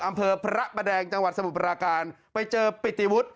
อำเภอพระประแดงจังหวัดสมุทรปราการไปเจอปิติวุฒิ